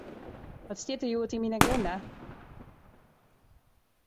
Wat stiet der hjoed yn myn aginda?